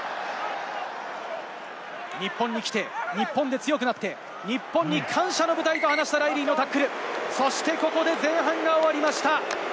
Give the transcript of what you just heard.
日本に来て、日本で強くなって日本に感謝の舞台と話したライリーのタックル、そしてここで前半が終わりました。